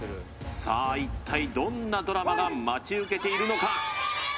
一体どんなドラマがプレイ待ち受けているのか？